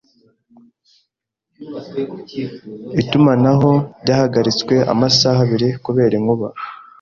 Itumanaho ryahagaritswe amasaha abiri kubera inkuba